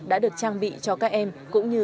đã được trang bị cho các em cũng như